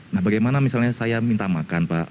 nah bagaimana misalnya saya minta makan pak